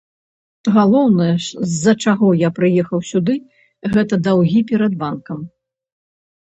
Галоўнае, з-за чаго я прыехаў сюды, гэта даўгі перад банкам.